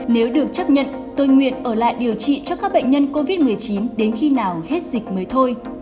nếu được chấp nhận tôi nguyện ở lại điều trị cho các bệnh nhân covid một mươi chín đến khi nào hết dịch mới thôi